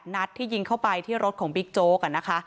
๘นัตรที่ยิงเข้าไปที่รถของบิ๊กโจกอ่ะค่ะ